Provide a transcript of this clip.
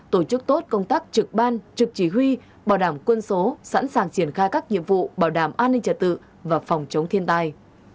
tổ chức tốt công tác trực ban trực chỉ huy bảo đảm quân số sẵn sàng triển khai các nhiệm vụ bảo đảm an ninh trật tự và phòng chống thiên tai